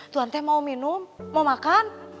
tuan teh mau minum mau makan